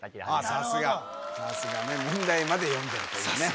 さすがさすがね問題まで読んでるというね